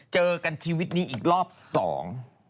เจอกันชีวิตนี้อีกรอบสอง